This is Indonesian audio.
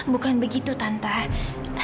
bukan begitu tante